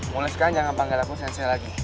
boleh sekarang jangan panggil aku sensei lagi